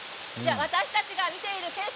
私たちが見ている景色